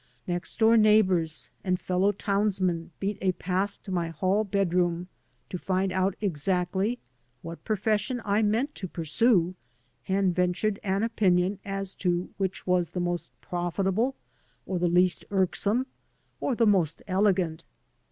Next door neighbors and fellow townsmen beat a path to my hall bedroom to find out exactly what profession I meant to pursue and ventured an opinion as to which was the most profitable or the least irksome or the most elegant.